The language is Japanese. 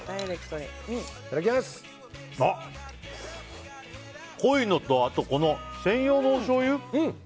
あ、濃いのとこの専用のおしょうゆ？